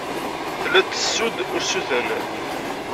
Tella tettessu-d usuten.